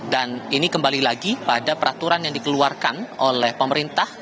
dan ini kembali lagi pada peraturan yang dikeluarkan oleh pemerintah